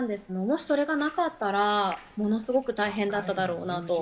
もしそれがなかったら、ものすごく大変だっただろうなと。